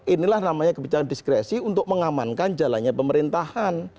inilah namanya kebijakan diskresi untuk mengamankan jalannya pemerintahan